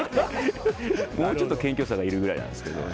もうちょっと謙虚さがいるぐらいなんですけどね。